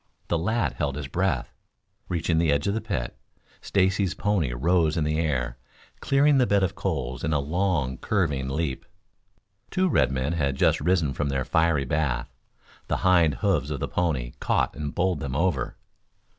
The lad held his breath. Reaching the edge of the pit, Stacy's pony rose in the air, clearing the bed of coals in a long, curving leap. Two red men had just risen from their fiery bath. The hind hoofs of the pony caught and bowled them over.